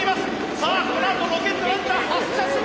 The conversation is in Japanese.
さあこのあとロケットランチャー発射するか！